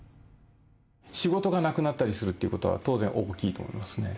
仕事がなくなったりするということは、当然大きいと思いますね。